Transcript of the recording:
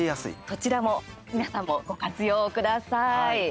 どちらも皆さんもぜひ、ご活用ください。